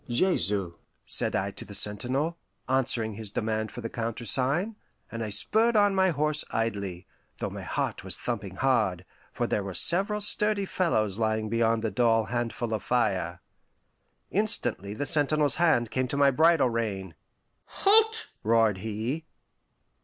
"Jesu," said I to the sentinel, answering his demand for the countersign, and I spurred on my horse idly, though my heart was thumping hard, for there were several sturdy fellows lying beyond the dull handful of fire. Instantly the sentinel's hand came to my bridle rein. "Halt!" roared he.